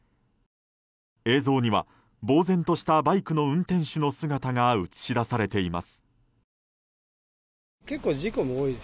映像には、ぼうぜんとしたバイクの運転手の姿が映し出されています。